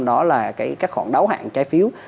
đó là các khoản đấu hạn trái phiếu